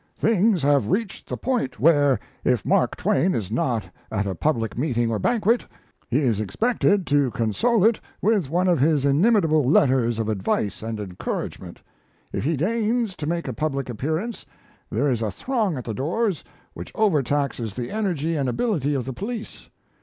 Things have reached the point where, if Mark Twain is not at a public meeting or banquet, he is expected to console it with one of his inimitable letters of advice and encouragement. If he deigns to make a public appearance there is a throng at the doors which overtaxes the energy and ability of the police.